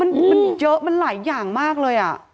มันเยอะมันหลายอย่างมากเลย